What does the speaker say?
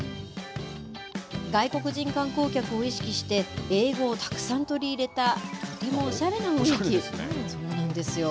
外国人観光客を意識して、英語をたくさん取り入れたとてもおしゃれな雰囲気。